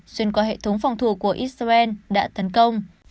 xuyên qua hệ thống phòng thủ của israel đã tấn công